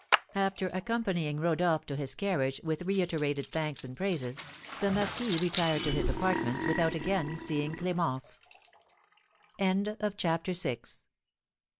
After accompanying Rodolph to his carriage with reiterated thanks and praises, the marquis retired to his apartments without again seeing Clémence. CHAPTER VII.